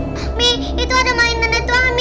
mami itu ada maling dendet tuh mami